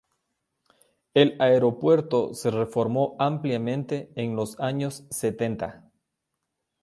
El aeropuerto se reformó ampliamente en los años setenta.